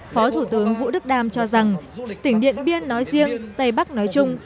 phó thủ tướng vũ đức đam cho rằng tỉnh điện biên nói riêng tây bắc nói chung